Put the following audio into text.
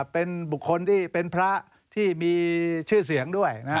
เป็นบุคคลที่เป็นพระที่มีชื่อเสียงด้วย